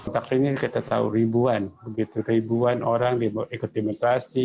tapi ini kita tahu ribuan ribuan orang di ekotimotrasi